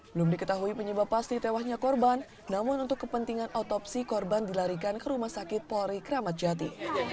belum diketahui penyebab pasti tewasnya korban namun untuk kepentingan otopsi korban dilarikan ke rumah sakit polri kramat jati